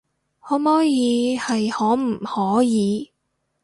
可摸耳係可唔可以